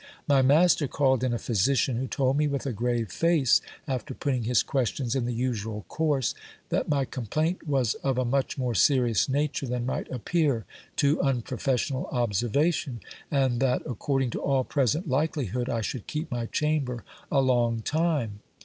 My master called in a physician, who told me with a grave face, after putting his questions in the usual course, that my complaint was of a much more serious nature than might appear to unprofessional observation, and that, according to all present likelihood, I should keep my chamber a long time.